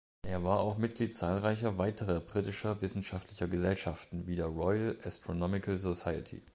Er war auch Mitglied zahlreicher weiterer britischer wissenschaftlicher Gesellschaften wie der Royal Astronomical Society.